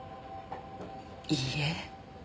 いいえ。